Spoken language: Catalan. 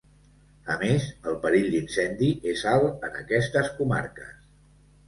A més, el perill d’incendi és alt en aquestes comarques.